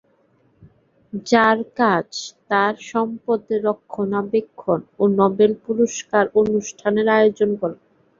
যার কাজ তার সম্পদের রক্ষণাবেক্ষণ ও নোবেল পুরস্কার অনুষ্ঠানের আয়োজন করা।